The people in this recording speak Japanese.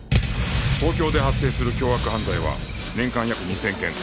東京で発生する凶悪犯罪は年間約２０００件